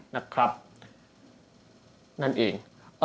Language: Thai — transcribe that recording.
นั่นเอง